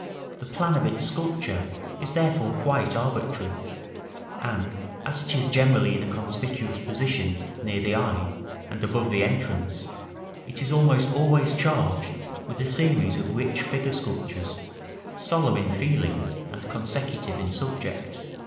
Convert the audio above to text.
The plan of its sculpture is therefore quite arbitrary; and, as it is generally in a conspicuous position, near the eye, and above the entrance, it is almost always charged with a series of rich figure sculptures, solemn in feeling and consecutive in subject.